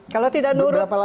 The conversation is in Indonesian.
kalau tidak nurut